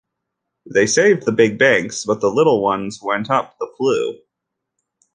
They saved the big banks, but the little ones went up the flue.